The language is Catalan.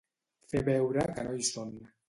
Fer veure que no hi són.